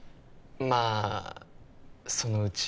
まあそのうち？